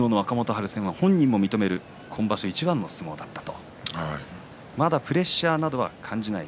春戦、本人も認める今年いちばんの相撲だったとまだプレッシャーなどは感じない